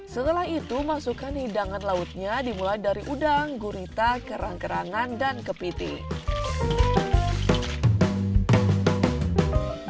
setelah itu masukkan hidangan lautnya dimulai dari udang gurita kerang kerangan dan kepiting